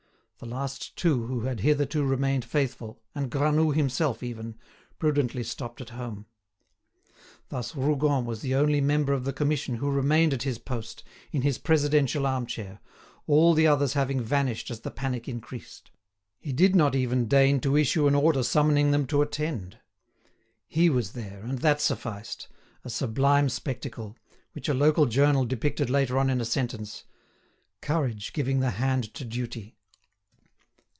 The last two who had hitherto remained faithful, and Granoux himself, even, prudently stopped at home. Thus Rougon was the only member of the Commission who remained at his post, in his presidential arm chair, all the others having vanished as the panic increased. He did not even deign to issue an order summoning them to attend. He was there, and that sufficed, a sublime spectacle, which a local journal depicted later on in a sentence: "Courage giving the hand to duty."